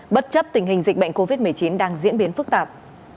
bất chấp tình hình dịch bệnh covid một mươi chín đang diễn biến phức tạp